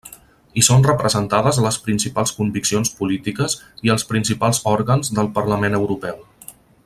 Hi són representades les principals conviccions polítiques i els principals òrgans del Parlament Europeu.